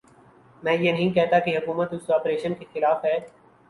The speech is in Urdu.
میں یہ نہیں کہتا کہ حکومت اس آپریشن کے خلاف ہے۔